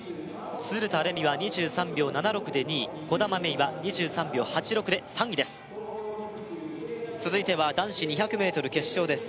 鶴田玲美は２３秒７６で２位兒玉芽生は２３秒８６で３位です続いては男子２００ｍ決勝です